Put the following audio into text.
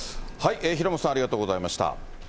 平本さん、ありがとうございました。